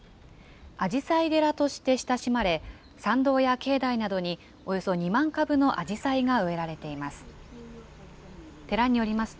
あじさい寺として親しまれ、参道や境内などにおよそ２万株のアジサイが植えられています。